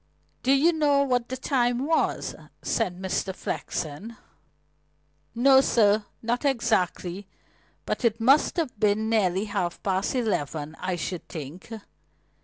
"Do you know what the time was?" said Mr. Flexen. "No, sir not exactly. But it must have been nearly half past eleven, I should think."